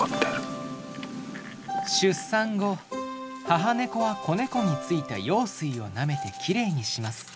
出産後母ネコは子ネコについた羊水をなめてきれいにします。